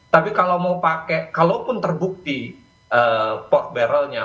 tapi kalau mau pakai kalaupun terbukti port barrelnya